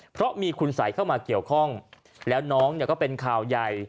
เพราะมีคุณสัยเข้ามาเกี่ยวข้องแล้วน้องเนี่ยก็เป็นข่าวใหญ่